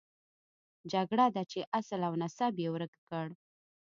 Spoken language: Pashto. جګړه ده چې اصل او نسب یې ورک کړ.